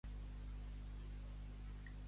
Aquest és el cas de la funció valor absolut.